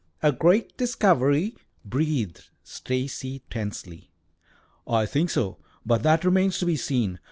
"A great discovery," breathed Stacy tensely. "I think so, but that remains to be seen.